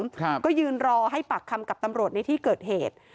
ครับก็ยืนรอให้ปากคำกับตำรวจในที่เกิดเหตุ